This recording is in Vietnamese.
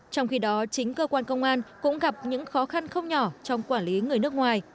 trong khi đó chính cơ quan công an cũng gặp những khó khăn không nhỏ trong quản lý người nước ngoài